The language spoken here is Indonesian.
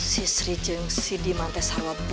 si sri jeng sidi mantes sarwapol